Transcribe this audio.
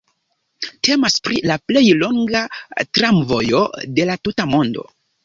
Temas pri la plej longa tramvojo de la tuta mondo.